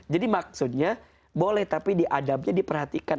jadi maksudnya boleh tapi diadabnya diperhatikan